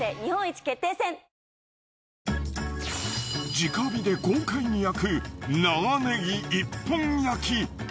直火で豪快に焼く長ネギ一本焼き。